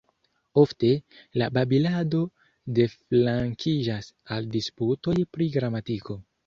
Ofte, la babilado deflankiĝas al disputoj pri gramatiko.